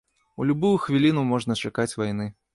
У любую хвіліну можна чакаць вайны.